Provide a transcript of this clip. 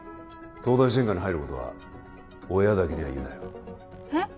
東大専科に入ることは親だけには言うなよえっ？